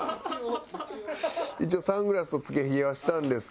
一応サングラスと付け髭はしたんですけど。